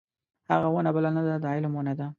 هغه ونه بله نه ده د علم ونه ده.